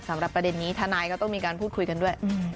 สำหรับประเด็นนี้ทนายก็ต้องมีการพูดคุยกันด้วย